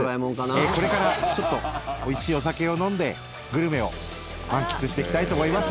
これから、おいしいお酒を飲んでグルメを満喫してきたいと思います。